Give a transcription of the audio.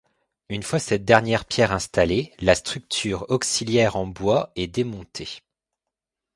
Une fois cette dernière pierre installée, la structure auxiliaire en bois est démontée.